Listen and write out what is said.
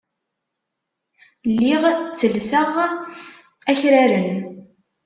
Lliɣ ttellseɣ akraren.